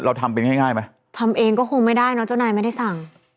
ทำเป็นง่ายง่ายไหมทำเองก็คงไม่ได้เนอะเจ้านายไม่ได้สั่ง